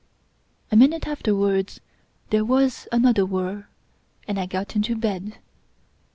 A minute afterwards there was another Vhir, and I got into bed.